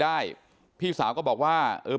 อันนี้แม่งอียางเนี่ย